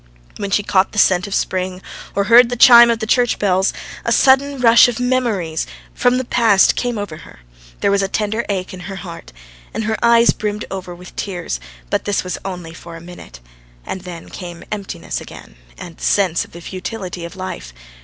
When she caught the scent of spring, or heard the chime of the church bells, a sudden rush of memories from the past came over her, there was a tender ache in her heart, and her eyes brimmed over with tears; but this was only for a minute, and then came emptiness again and the sense of the futility of life.